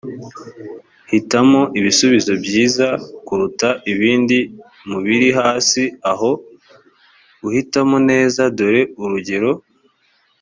hitamo ibisubizo byiza kuruta ibindi mu biri hasi aha uhitamo neza dore urugero